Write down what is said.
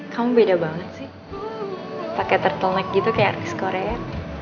kamu beda banget sih pake turtle neck gitu kayak artis korea